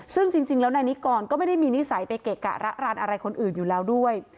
ซึ่งจริงแล้วนายนิกรก็ไม่ได้มีนิสัยไปเกะกะระรันอะไรคนอื่นอยู่แล้วด้วย